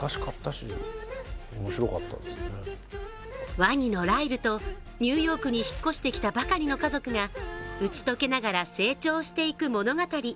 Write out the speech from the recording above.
ワニのライルとニューヨークに引っ越してきたばかりの家族が打ち解けながら成長していく物語。